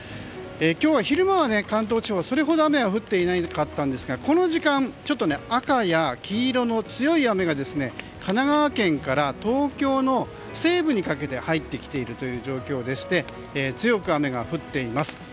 今日は昼間は関東地方、それほど雨は降っていなかったんですがこの時間、赤や黄色の強い雨が神奈川県から東京の西部にかけて入ってきている状況でして強く雨が降っています。